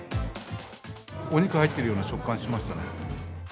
お肉入っているような食感しましたね。